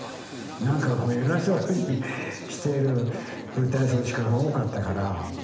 なんかこう偉そうにしている舞台装置家が多かったから。